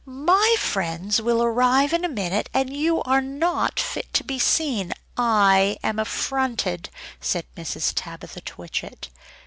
"My friends will arrive in a minute, and you are not fit to be seen; I am affronted," said Mrs. Tabitha Twitchit.